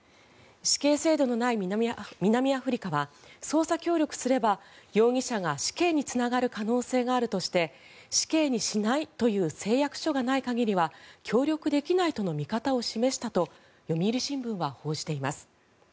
死刑制度のない南アフリカは捜査協力すれば容疑者が死刑につながる可能性があるとして死刑にしないという誓約書がない限りは協力できないとの見方を示したと読売新聞は報じています。